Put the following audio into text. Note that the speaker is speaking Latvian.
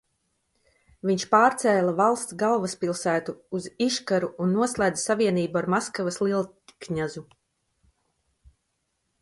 Viņš pārcēla valsts galvaspilsētu uz Iškaru un noslēdza savienību ar Maskavas lielkņazu.